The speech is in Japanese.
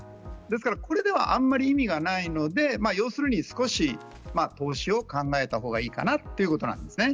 これではあんまり意味がないので要するに、少し投資を考えた方がいいかなということなんです。